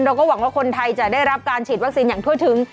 เราก็หวังว่าคนไทยจะได้รับการฉีดวัคซีนอย่างทั่วถึง